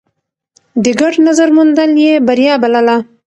د ګډ نظر موندل يې بريا بلله.